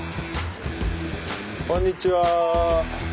こんにちは。